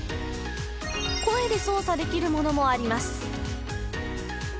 声で操作できるものもあります。